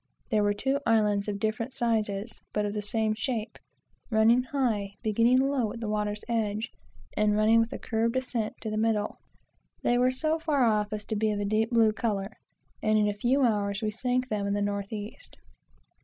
There were two islands, of different size but of the same shape; rather high, beginning low at the water's edge, and running with a curved ascent to the middle. They were so far off as to be of a deep blue color, and in a few hours we sank them in the north east.